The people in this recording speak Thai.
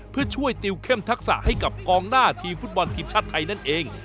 เพื่อช่วยติวเข้มทักษะให้กับกองหน้าทีมฟุตบอลทีมชาติไทยนั่นเอง